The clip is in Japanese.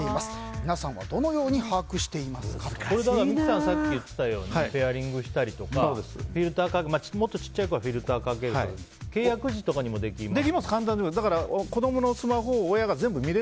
皆さんはこれ三木さんがさっき言っていたようにペアリングしたりとかもっと小さい子はフィルターをかけるとか契約時とかにもできますよね。